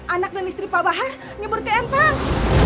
anak dan istri pak bahar nyebur ke embang